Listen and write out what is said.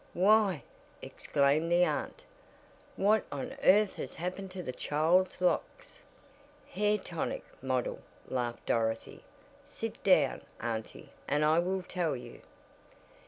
"Why!" exclaimed the aunt. "What on earth has happened to the child's locks?" "Hair tonic model," laughed Dorothy, "sit down, auntie, and I will tell you."